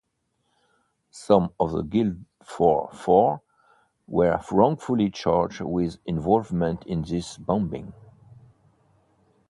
Some of the Guildford Four were wrongfully charged with involvement in this bombing.